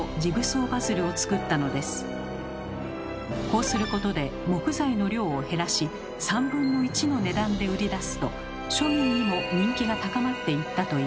こうすることで木材の量を減らし３分の１の値段で売り出すと庶民にも人気が高まっていったといいます。